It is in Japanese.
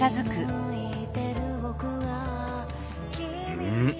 うん？